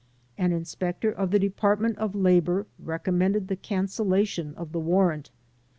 An inspector of the Department of Labor recommended the cancellation of the warrant.